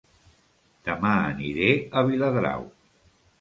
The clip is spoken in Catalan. Dema aniré a Viladrau